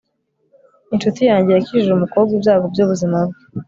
inshuti yanjye yakijije umukobwa ibyago byubuzima bwe